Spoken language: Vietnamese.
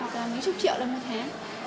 hoặc là mấy chục triệu đồng một tháng